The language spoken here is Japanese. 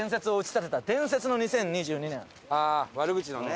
ああ悪口のね。